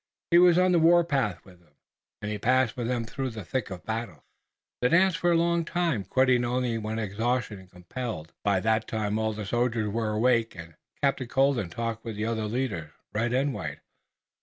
He was on the warpath with them, and he passed with them through the thick of battle. They danced for a long time, quitting only when exhaustion compelled. By that time all the soldiers were awake and Captain Colden talked with the other leaders, red and white.